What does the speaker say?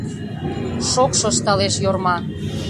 — Шокшо... — ышталеш Йорма.